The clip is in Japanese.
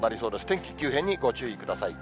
天気急変にご注意ください。